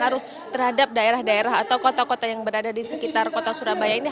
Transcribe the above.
nantinya juga pasti akan berpengaruh terhadap daerah daerah atau kota kota yang berada di sekitar kota surabaya ini